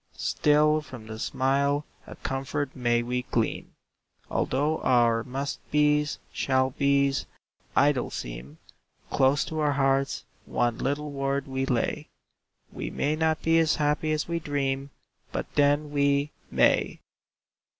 Still from the smile a comfort may we glean; Although our "must be's," "shall be's," idle seem, Close to our hearts one little word we lay: We may not be as happy as we dream, But then we may.